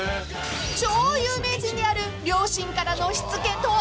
［超有名人である両親からのしつけとは？］